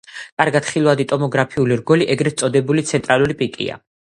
კარგად ხილვადი ტოპოგრაფიული რგოლი ეგრეთ წოდებული ცენტრალური პიკია.